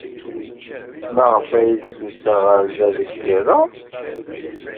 Maɣef ay d-tusa ɣer da deg yiḍ-a?